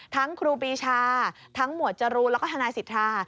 ครูปีชาทั้งหมวดจรูนแล้วก็ทนายสิทธา